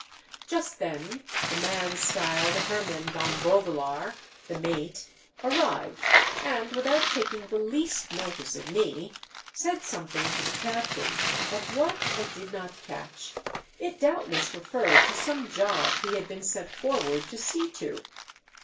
Just then the man styled Herman Van Vogelaar, the mate, arrived, and without taking the least notice of me, said some I INSPECT THE FLYING DUTCHMAN. 1 I I thing to the captain, but what, I did not catch ; it doubtless referred to some job he had been sent forward to see to.